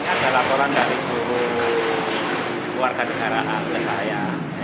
awalnya ada laporan dari guru warga negara ke saya